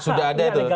sudah ada itu